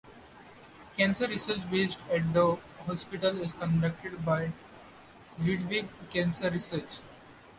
Cancer research based at the hospital is conducted by Ludwig Cancer Research.